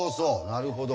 なるほど。